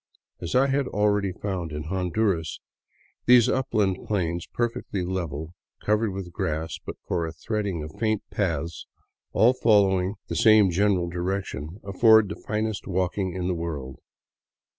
As I had already found in Honduras, these upland plains, perfectly level, cov ered with grass but for a threading of faint paths all following the same general direction, afford the finest walking in the world.